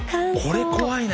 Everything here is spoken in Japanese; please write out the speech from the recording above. これ怖いね。